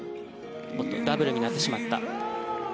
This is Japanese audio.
ダブルになってしまった。